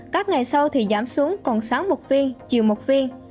các ngày sau thì giảm xuống còn sáng một viên chiều một viên